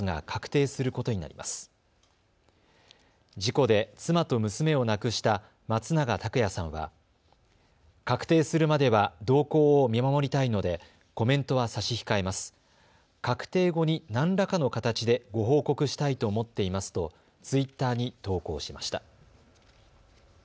確定後に何らかの形でご報告したいと思っていますとツイッターに投稿しました。